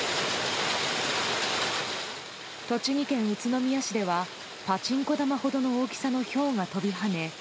栃木県宇都宮市ではパチンコ玉ほどの大きさのひょうが飛び跳ね